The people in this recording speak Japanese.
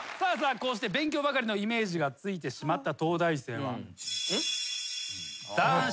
こうして勉強ばかりのイメージがついてしまった東大生は。